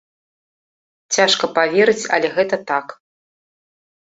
Цяжка паверыць, але гэта так.